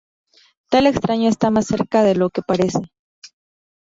Tal extraño está más cerca de lo que parece.